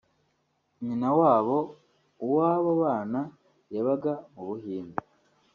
nyina wabo w’abo bana yabaga mu Buhinde